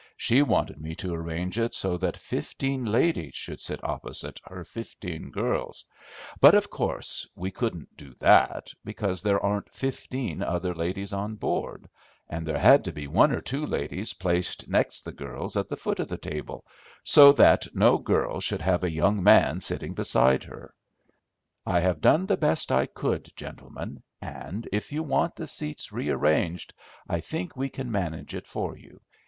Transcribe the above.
She wanted me to arrange it so that fifteen ladies should sit opposite her fifteen girls; but, of course, we couldn't do that, because there aren't fifteen other ladies on board, and there had to be one or two ladies placed next the girls at the foot of the table, so that no girl should have a young man sitting beside her. I have done the best I could, gentlemen, and, if you want the seats rearranged, I think we can manage it for you.